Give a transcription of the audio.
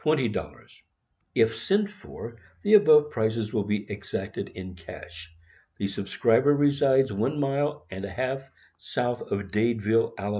00 If sent for, the above prices will be exacted in cash. The subscriber resides one mile and a half south of Dadeville, Ala.